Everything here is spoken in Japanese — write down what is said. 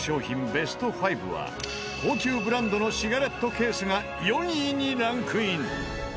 ベスト５は高級ブランドのシガレットケースが４位にランクイン！